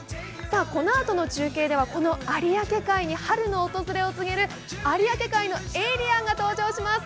このあとの中継では有明海に春の訪れを告げる有明海のエイリアンが登場します。